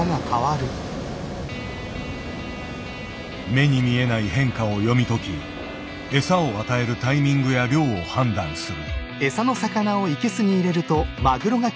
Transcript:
目に見えない変化を読み解き餌を与えるタイミングや量を判断する。